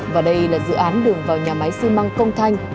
và đây là dự án đường vào nhà máy xi măng công thanh